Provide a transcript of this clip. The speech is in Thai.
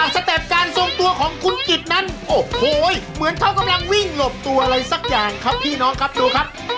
สเต็ปการทรงตัวของคุณกิจนั้นโอ้โหเหมือนเขากำลังวิ่งหลบตัวอะไรสักอย่างครับพี่น้องครับดูครับ